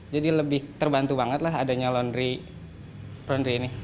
jadi lebih terbantu banget lah adanya laundry ini